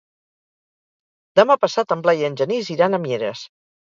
Demà passat en Blai i en Genís iran a Mieres.